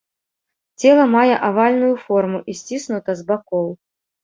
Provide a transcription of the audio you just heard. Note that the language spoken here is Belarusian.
Цела мае авальную форму і сціснута з бакоў.